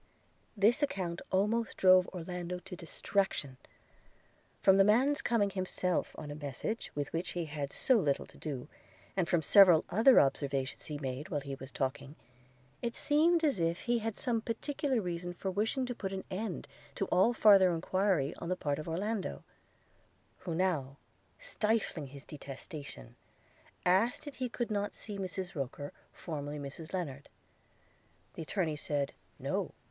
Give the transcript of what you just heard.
This account almost drove Orlando to distraction. From the man's coming himself on a message with which he had so little to do; and from several other observations he made while he was talking, it seemed as if he had some particular reason for wishing to put an end to all farther enquiry on the part of Orlando – who now, stifling his detestation, asked it he could not see Mrs Roker, formerly Mrs Lennard? The attorney said, No!